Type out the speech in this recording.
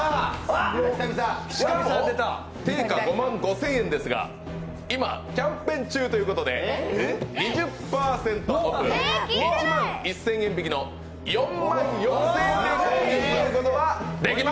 しかも、定価５万５０００円ですが今、キャンペーン中ということで２０％オフ、１万１０００円引きの４万４０００円で購入することができます。